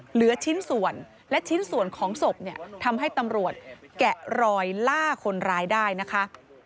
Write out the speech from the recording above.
เหลือชิ้นส่วนและชิ้นส่วนของศพเนี่ยทำให้ตำรวจแกะรอยล่าคนร้ายได้นะคะ